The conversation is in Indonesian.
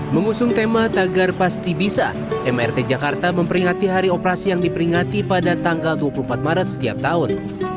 mengusung tema tagar pasti bisa mrt jakarta memperingati hari operasi yang diperingati pada tanggal dua puluh empat maret setiap tahun